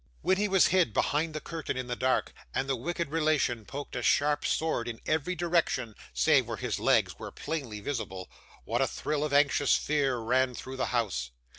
When he was hid behind the curtain in the dark, and the wicked relation poked a sharp sword in every direction, save where his legs were plainly visible, what a thrill of anxious fear ran through the house!